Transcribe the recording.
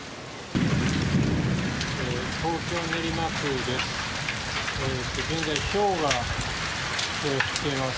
東京・練馬区です。